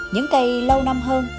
những cây lâu năm hơn